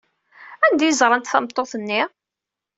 Anda ay ẓrant tameṭṭut-nni?